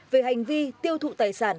về hành vi tiêu thụ tài sản